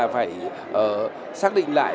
phải xác định lại